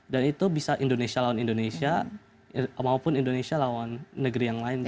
dan itu bisa indonesia lawan indonesia maupun indonesia lawan negeri yang lain juga